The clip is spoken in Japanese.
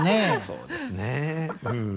そうですねうん。